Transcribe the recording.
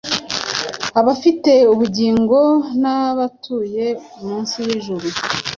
Abafite ubugingonabatuye munsi yijuru